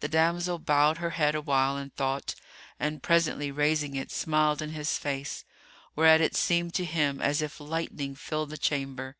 The damsel bowed her head awhile in thought, and presently raising it, smiled in his face, whereat it seemed to him as if lightning filled the chamber.